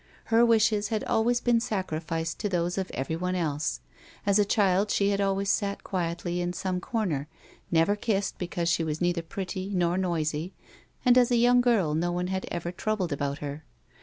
Her wishes had always been sacrificed to those of everyone else. As a child she had always sat quietly in some corner, never kissed because she was neither pretty nor noisy, and as a young girl no one had ever troubled about her.